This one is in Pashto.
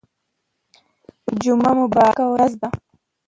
جمعه مبارکه ورځ ده